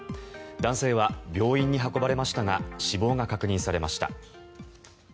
男性は病院に運ばれましたが死亡が確認されました。